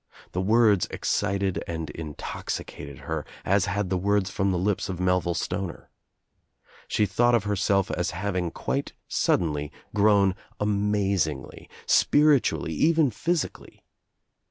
The words escited and intoxicated her as had the words from the lips of Melville Stoner. She thought of herself as having quite suddenly grown amazingly, spiritually, even phy sically.